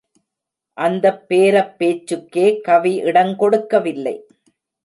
அந்தப் பேரப் பேச்சுக்கே கவி இடங் கொடுக்கவில்லை.